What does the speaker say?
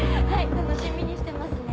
楽しみにしてますね。